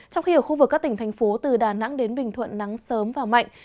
trong khi ở khu vực các tỉnh thành phố từ đà nẵng đến bình thuận nắng sớm và mạnh